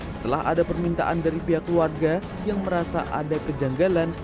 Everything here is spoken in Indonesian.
setelah ada permintaan dari pihak keluarga yang merasa ada kejanggalan